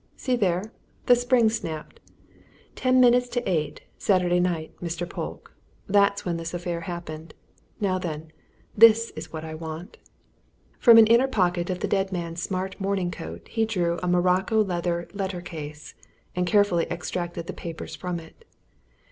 See there! the spring's snapped. Ten minutes to eight, Saturday night, Mr. Polke that's when this affair happened. Now then, this is what I want!" From an inner pocket of the dead man's smart morning coat, he drew a morocco leather letter case, and carefully extracted the papers from it.